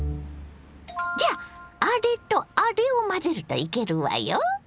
じゃああれとあれを混ぜるといけるわよ！